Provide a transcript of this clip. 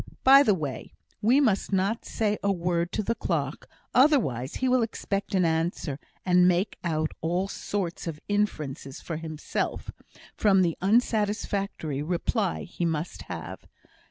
By the way, we must not say a word to the clerk; otherwise he will expect an answer, and make out all sorts of inferences for himself, from the unsatisfactory reply he must have.